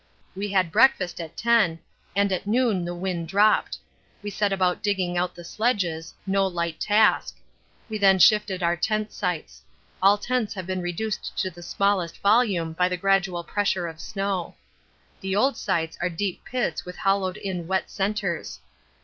We had breakfast at 10, and at noon the wind dropped. We set about digging out the sledges, no light task. We then shifted our tent sites. All tents had been reduced to the smallest volume by the gradual pressure of snow. The old sites are deep pits with hollowed in wet centres.